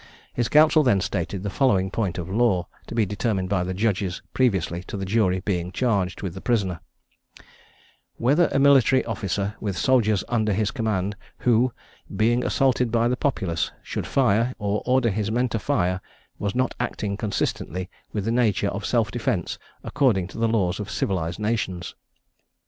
His counsel then stated the following point of law, to be determined by the judges previously to the jury being charged with the prisoner: "Whether a military officer, with soldiers under his command, who, being assaulted by the populace, should fire, or order his men to fire, was not acting consistently with the nature of self defence, according to the laws of civilised nations?"